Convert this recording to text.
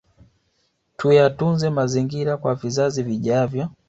Tuyatunze mazingira kwa vizazi vijavyo